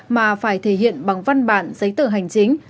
mà phải thể hiện bằng văn bản giấy tờ hành chính